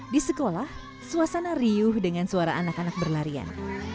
di sekolah suasana riuh dengan suara anak anak berlarian